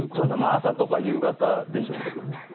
朝とか夕方でしょうけどね。